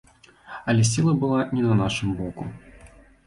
Але сіла была не на нашым боку.